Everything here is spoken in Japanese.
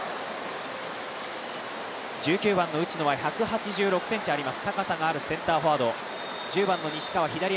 １９番の内野は１８６ｃｍあります。